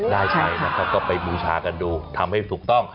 ได้ใช้นะครับก็ไปบูชากันดูทำให้ถูกต้อง